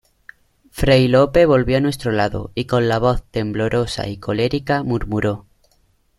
fray Lope volvió a nuestro lado, y con la voz temblorosa y colérica murmuró: